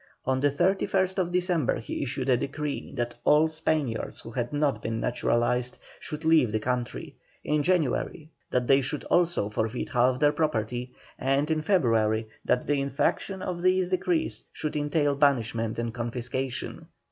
On the 31st December he issued a decree, that all Spaniards who had not been naturalised should leave the country; in January, that they should also forfeit half their property; and in February, that the infraction of these decrees should entail banishment and confiscation.